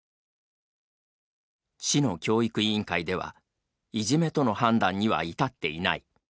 市の教育委員会では「いじめとの判断には至っていない」